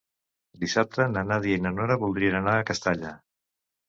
Dissabte na Nàdia i na Nora voldrien anar a Castalla.